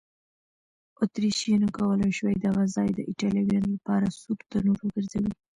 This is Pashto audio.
اتریشیانو کولای شوای دغه ځای د ایټالویانو لپاره سور تنور وګرځوي.